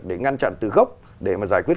để ngăn chặn từ gốc để mà giải quyết